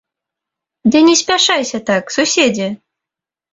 Ды не спяшайся так, суседзе!